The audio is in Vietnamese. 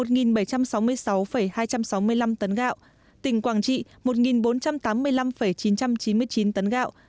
tỉnh nghệ an một bảy trăm sáu mươi sáu hai trăm sáu mươi năm tấn gạo tỉnh quảng trị một bốn trăm tám mươi năm chín trăm chín mươi chín tấn gạo tỉnh lào cai hai trăm bốn mươi bảy tám trăm sáu mươi tấn gạo